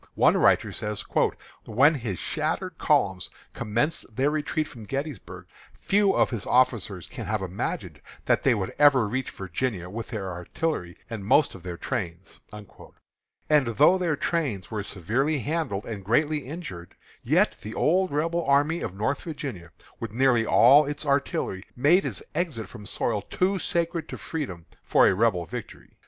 One writer says: "When his shattered columns commenced their retreat from Gettysburg, few of his officers can have imagined that they would ever reach Virginia with their artillery and most of their trains." And though their trains were severely handled and greatly injured, yet the old Rebel army of Northern Virginia, with nearly all its artillery, made its exit from soil too sacred to freedom for a Rebel victory.